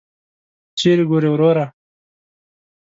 چیري ګورې وروره !